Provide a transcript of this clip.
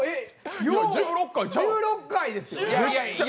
１６回ですよ。